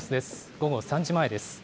午後３時前です。